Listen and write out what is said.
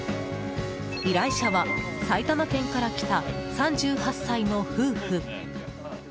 依頼者は埼玉県から来た３８歳の夫婦。